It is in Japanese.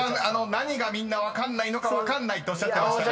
「何がみんな分かんないのか分かんない」とおっしゃってましたが］